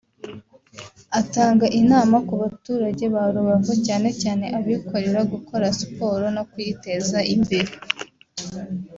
Atanga inama ku baturage ba Rubavu cyane cyane abikorera gukora siporo no kuyiteza imbere